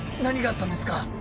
何があったんですか？